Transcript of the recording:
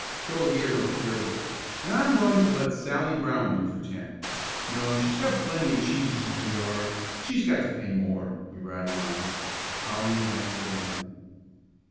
Joel gave her a queer look. "And I'm going to let Sally Brown in for ten. No, she's got plenty of cheeses in her yard, she's got to pay more," he rattled on. Polly and Ben said nothing.